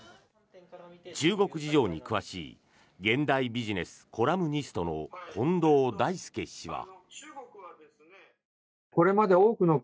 中国事情に詳しい現代ビジネスコラムニストの近藤大介氏は。